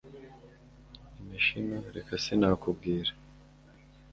imishino reka sinakubwira